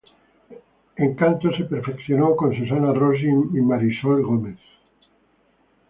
En canto se perfeccionó con Susana Rossi y Marisol Gómez.